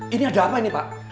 ini ada apa ini pak